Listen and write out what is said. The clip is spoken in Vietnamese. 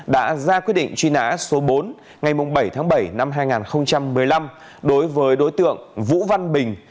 đã ra quyết định truy nã số bốn ngày bảy tháng bảy năm hai nghìn một mươi năm đối với đối tượng vũ văn bình